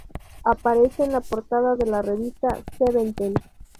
Aparece en la portada de la revista "Seventeen".